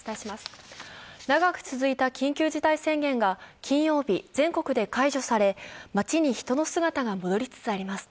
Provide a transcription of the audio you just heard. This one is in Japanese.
長く続いた緊急事態宣言が金曜日、全国で解除され、街に人の姿が戻りつつあります。